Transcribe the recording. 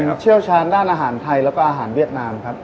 เชี่ยวชาญด้านอาหารไทยแล้วก็อาหารเวียดนามครับ